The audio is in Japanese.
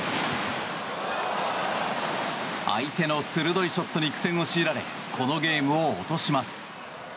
相手の鋭いショットに苦戦を強いられこのゲームを落とします。